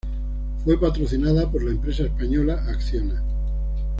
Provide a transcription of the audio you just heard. Fue patrocinada por la empresa española Acciona.